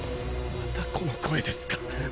またこの声ですか。